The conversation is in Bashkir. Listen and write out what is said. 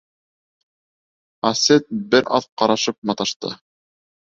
Асет бер аҙ ҡарышып маташты.